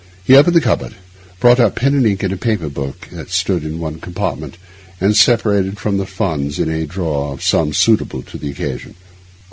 He opened the cupboard, brought out pen and ink and a paper book that stood in one compartment, and separated from the funds in a drawer a sum suitable to the occasion.